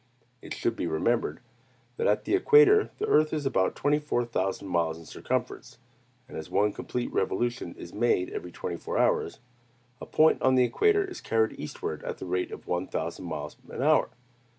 It should be remembered that at the equator the earth is about twenty four thousand miles in circumference; and as one complete revolution is made every twenty four hours, a point on the equator is carried eastward at the rate of one thousand miles an hour.